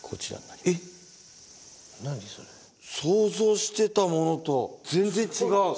想像してたものと全然違う。